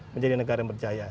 menjadi negara yang berjaya